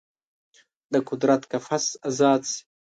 د قدرت قفس ازاد شي